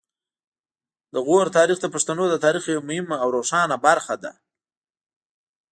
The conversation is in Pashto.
د غور تاریخ د پښتنو د تاریخ یوه مهمه او روښانه برخه ده